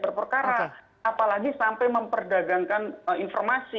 berperkara apalagi sampai memperdagangkan informasi